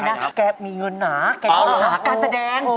ลิเกบ้างหมอรำบ้าง